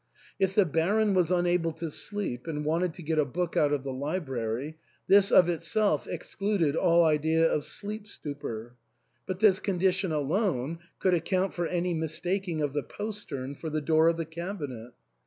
If the Baron was unable to sleep and wanted to get a book out of the library, this of itself excluded all idea of sleep stupor ; but this condition alone could account for any mistaking of the postern for the door of the cabinet.